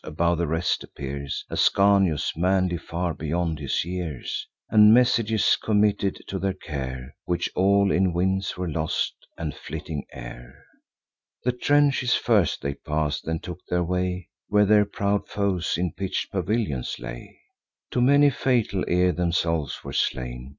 Above the rest appears Ascanius, manly far beyond his years, And messages committed to their care, Which all in winds were lost, and flitting air. The trenches first they pass'd; then took their way Where their proud foes in pitch'd pavilions lay; To many fatal, ere themselves were slain.